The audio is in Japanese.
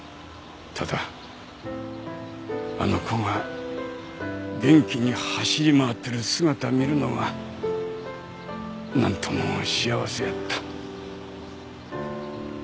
ただあの子が元気に走り回ってる姿見るのがなんとも幸せやった。